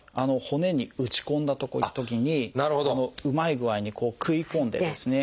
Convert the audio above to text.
骨に打ち込んだときにうまい具合にこう食い込んでですね